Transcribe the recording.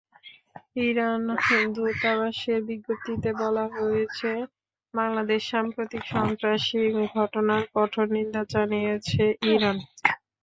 Iran দূতাবাসের বিজ্ঞপ্তিতে বলা হয়েছে, বাংলাদেশে সাম্প্রতিক সন্ত্রাসী ঘটনার কঠোর নিন্দা জানিয়েছে ইরান।